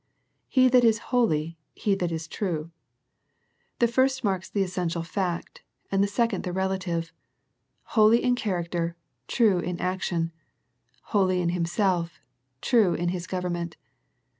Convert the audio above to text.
" He that is holy. He that is true." The first marks the essential fact, and the second the relative ; holy in character, true in action ; holy in Himself, true in His government.